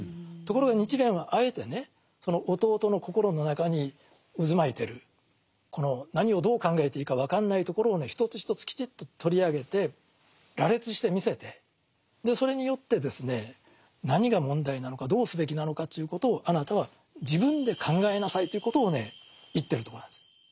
ところが日蓮はあえてねその弟の心の中に渦巻いてるこの何をどう考えていいか分かんないところをね一つ一つきちっと取り上げて羅列してみせてでそれによってですね何が問題なのかどうすべきなのかということをあなたは自分で考えなさいということをね言ってるとこなんです。